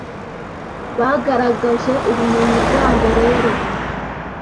bagaragaje ubumenyi bwabo rero